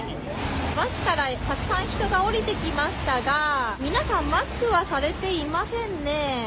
バスからたくさん人が降りてきましたが、皆さん、マスクはされていませんね。